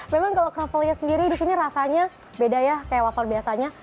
memang kalau kroffelnya sendiri di sini rasanya beda ya kayak waffle biasanya